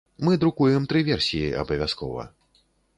Мы друкуем тры версіі абавязкова.